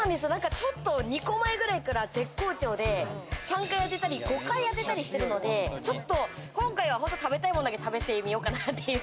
２個前くらいから絶好調で３回当てたり５回当てたりしてるので、今回は食べたいものだけ食べてみようかなって。